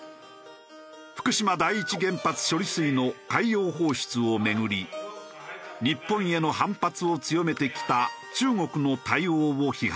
福島第一原発処理水の海洋放出をめぐり日本への反発を強めてきた中国の対応を批判した。